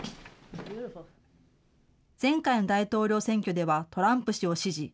前回の大統領選挙では、トランプ氏を支持。